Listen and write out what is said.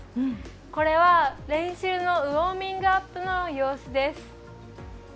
これは、練習のウォーミングアップの様子です。